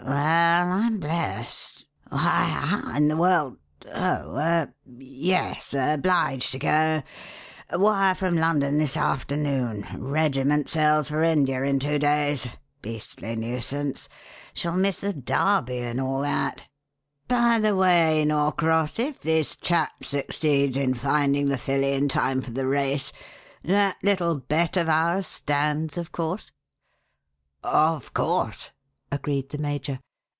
"Well, I'm blest! Why, how in the world oh er yes. Obliged to go. Wire from London this afternoon. Regiment sails for India in two days. Beastly nuisance. Shall miss the Derby and all that. By the way, Norcross, if this chap succeeds in finding the filly in time for the race, that little bet of ours stands, of course?" "Of course," agreed the major.